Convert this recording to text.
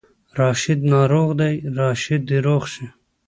راشد ناروغ دی، راشد دې روغ شي